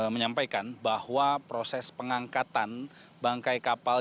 menyampaikan bahwa proses pengangkatan bangkai kapal